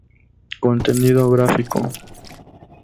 Contenido Gráfico.